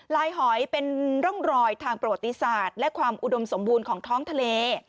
หอยเป็นร่องรอยทางประวัติศาสตร์และความอุดมสมบูรณ์ของท้องทะเล